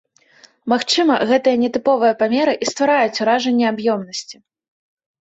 Магчыма, гэтыя нетыповыя памеры і ствараюць уражанне аб'ёмнасці.